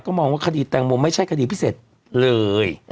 มองว่าคดีแตงโมไม่ใช่คดีพิเศษเลย